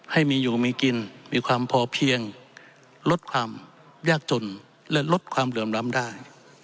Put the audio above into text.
ให้มีอยู่มีกินมีความพอเพียงลดความยากจนและลดความเหลื่อมล้ำได้